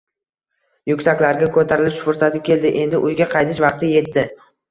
Yuksaklarga ko‘tarilish fursati keldi, endi uyga qaytish vaqti yetdi.